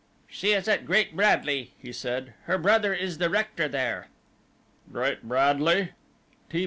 "She is at Great Bradley," he said; "her brother is the rector there." "Great Bradley?"